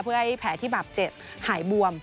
เพื่อให้แผลที่บาดเจ็บหายบวม